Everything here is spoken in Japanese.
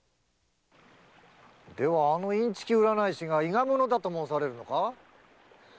ではあのインチキ占い師が伊賀者だと申されるのか？